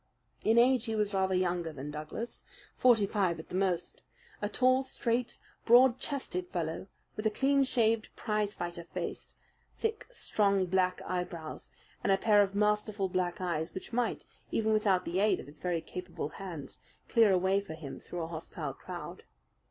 In age he was rather younger than Douglas forty five at the most a tall, straight, broad chested fellow with a clean shaved, prize fighter face, thick, strong, black eyebrows, and a pair of masterful black eyes which might, even without the aid of his very capable hands, clear a way for him through a hostile crowd.